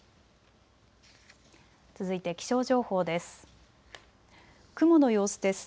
続いて気象情報です。